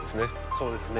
そうですね。